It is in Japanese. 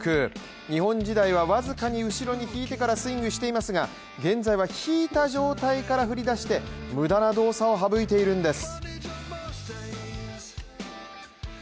日本時代は僅かに後ろに引いてからスイングしていますが現在は引いた状態から振りだして無駄な動作を省いているんです。